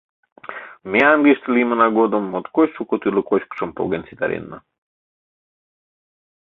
Ме Английыште лиймына годым моткоч шуко тӱрлӧ кочкышым поген ситаренна: